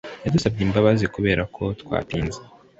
Yadusabye imbabazi kuberako twatinze.